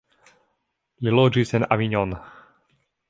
Li loĝis en Avignon.